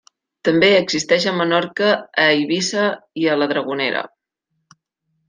També existeix a Menorca, a Eivissa i a la Dragonera.